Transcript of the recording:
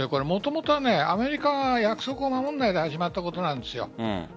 もともとアメリカが約束を守らないで始まったことなんです。